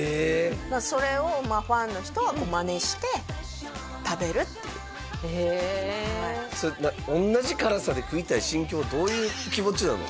それをファンの人はマネして食べるっていうそれ同じ辛さで食いたい心境どういう気持ちなの？